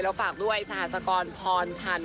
แล้วฝากด้วยสหกรพรพันธ์